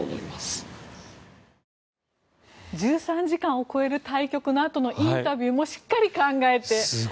１３時間を超える対局のあとのインタビューもしっかり考えて。